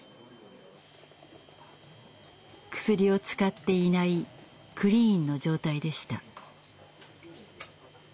クスリを使っていないクリーンの状態でした。